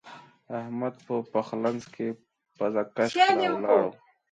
احمد په پخلنځ کې پزه کش کړه او ولاړ.